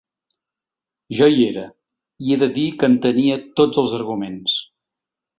Jo hi era, i he de dir que entenia tots els arguments.